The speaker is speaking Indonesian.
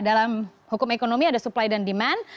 dalam hukum ekonomi ada supply dan demand